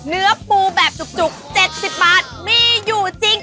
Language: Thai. เนื้อปูแบบจุก๗๐บาทมีอยู่จริง